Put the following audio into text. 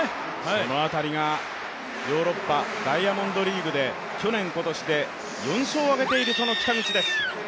その辺りがヨーロッパ、ダイヤモンドリーグで去年、今年で４勝を挙げているこの北口です。